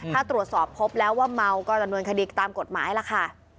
ถ้าตรวจสอบพบแล้วว่าเมาก็ดำเนินคดีตามกฎหมายล่ะค่ะ